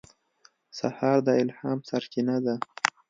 سهار د الهام سرچینه ده.